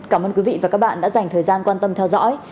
cảm ơn quý vị và các bạn đã dành thời gian quan tâm theo dõi